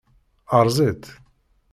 Erẓ-itt.